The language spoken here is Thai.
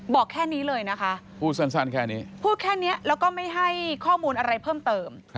บอกแค่นี้เลยนะคะพูดแค่นี้แล้วก็ไม่ให้ข้อมูลอะไรเพิ่มเติม